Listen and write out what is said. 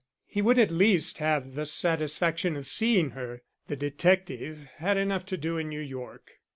He would at least have the satisfaction of seeing her. The detective had enough to do in New York.